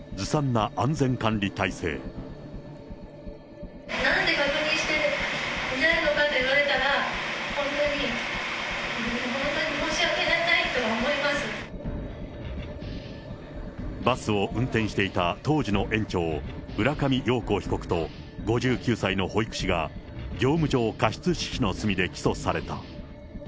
なんで確認してないのかと言われたら、バスを運転していた当時の園長、浦上陽子被告と５９歳の保育士が業務上過失致死の罪で起訴された。